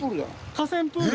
河川プール？